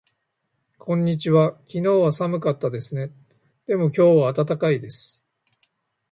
こんにちは。昨日は寒かったですね。でも今日は暖かいです。